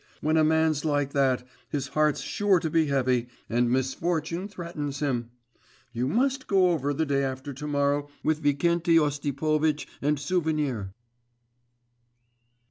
When a man's like that, his heart's sure to be heavy, and misfortune threatens him. You must go over the day after to morrow with Vikenty Osipovitch and Souvenir.